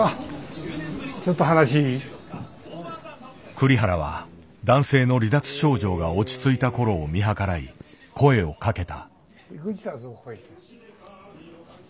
栗原は男性の離脱症状が落ち着いた頃を見計らい声をかけた。